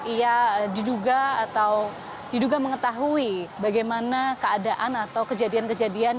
ia diduga atau diduga mengetahui bagaimana keadaan atau kejadian kejadian